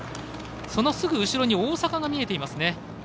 そのすぐ後ろに大阪が見えています。